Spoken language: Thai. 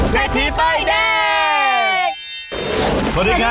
เศษทีป้อยแดง